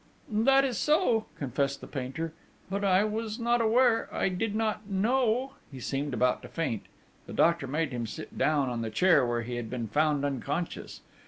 'That is so,' confessed the painter: 'but I was not aware.... I did not know....' He seemed about to faint. The doctor made him sit down in the chair where he had been found unconscious.